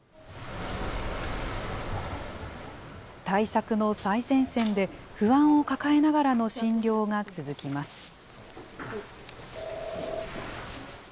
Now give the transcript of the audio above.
対策の最前線で不安を抱えながらの診療が続きます。